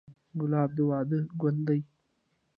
ګلاب د واده ګل دی.